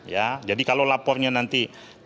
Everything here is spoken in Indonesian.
ya jadi kalau lapornya nanti